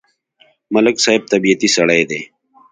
ملک صاحب طبیعتی سړی دی.